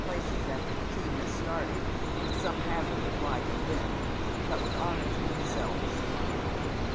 ty. 99 places after the team has started, with some hazard of ii.fa and limb, but with honour to tliemselves.